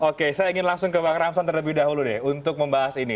oke saya ingin langsung ke bang ramson terlebih dahulu deh untuk membahas ini